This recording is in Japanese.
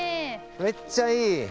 めっちゃいい！